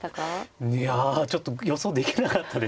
いやちょっと予想できなかったですけれど。